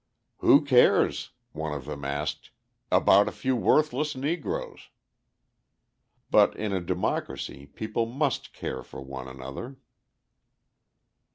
"Who cares," one of them asked, "about a few worthless Negroes?" But in a democracy people must care for one another.